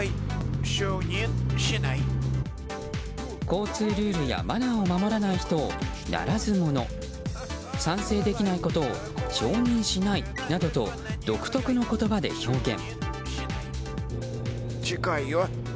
交通ルールやマナーを守らない人をならず者賛成できないことを承認しないなどと独特の言葉で表現。